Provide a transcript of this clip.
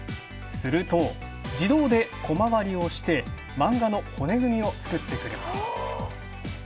すると、自動でコマ割りをして、マンガの骨組みを作ってくれます